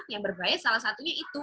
yang berbahaya salah satunya itu